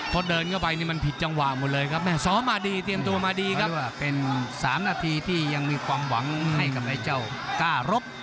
พอเดินเข้าไปนี่มันผิดจังหวะหมดเลยครับแม่ซ้อมมาดีเตรียมตัวมาดีครับว่าเป็น๓นาทีที่ยังมีความหวังให้กับไอ้เจ้าก้ารบ